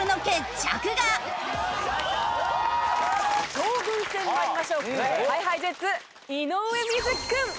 将軍戦に参りましょう。ＨｉＨｉＪｅｔｓ井上瑞稀君。